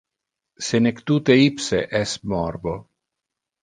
Senectute ipse es morbo.